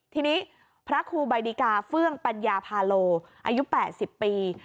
ทีนี้พระครูบายดิกาเฟื่องปัญญาพาโลอายุ๘๐ปี